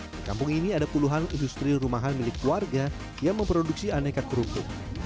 di kampung ini ada puluhan industri rumahan milik warga yang memproduksi aneka kerupuk